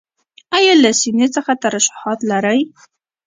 ایا له سینې څخه ترشحات لرئ؟